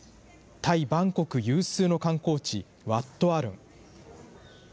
タイ・バンコク有数の観光地、ワット・アルン。